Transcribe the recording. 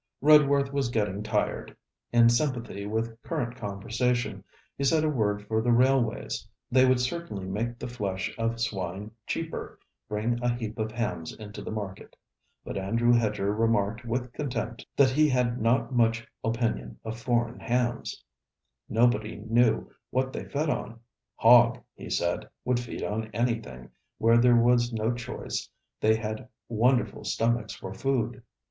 Redworth was getting tired. In sympathy with current conversation, he said a word for the railways: they would certainly make the flesh of swine cheaper, bring a heap of hams into the market. But Andrew Hedger remarked with contempt that he had not much opinion of foreign hams: nobody, knew what they fed on. Hog, he said, would feed on anything, where there was no choice they had wonderful stomachs for food.